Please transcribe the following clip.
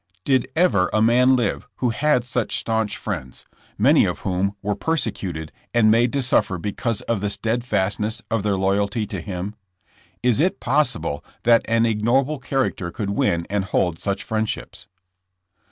Did ever a man live who had such staunch friends, many of whom were persecuted and made to suffer because of the stead fastness of their loyalty to him? Is it possible that an ignoble character could win and hold such friend ships